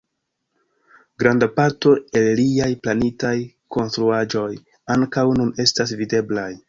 Granda parto el liaj planitaj konstruaĵoj ankaŭ nun estas videblaj.